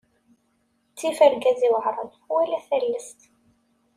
Ttif argaz iweɛṛen, wala tallest.